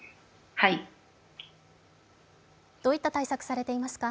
どういった対策されていますか？